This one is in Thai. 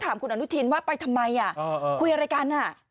คุณอนุทินว่าไปทำไมคุยอะไรกัน